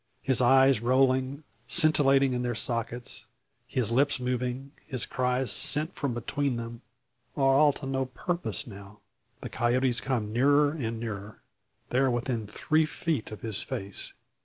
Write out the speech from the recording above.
His eyes rolling, scintillating in their sockets his lips moving his cries sent from between them are all to no purpose now. The coyotes come nearer and nearer. They are within three feet of his face.